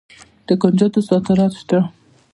د کنجدو صادرات شته.